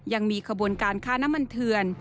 ยังมีขบวนการค้าน้ำมันเถื่อน